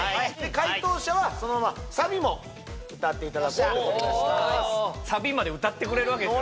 解答者はそのままサビも歌っていただこうとサビまで歌ってくれるわけでしょ